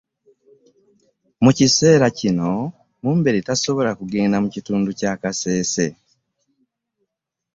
Mu kiseera kino Mumbere tasobola kugenda mu kitundu kya Kasese